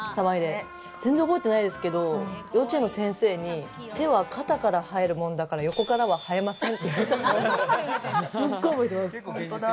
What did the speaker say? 全然、覚えてないですけど、幼稚園の先生に手は肩から生えるものだから、横からははえませんって。